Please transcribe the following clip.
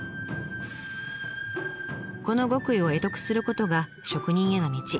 この極意を会得することが職人への道。